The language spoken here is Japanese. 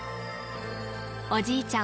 おじいちゃん